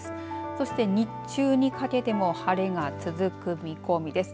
そして日中にかけても晴れが続く見込みです。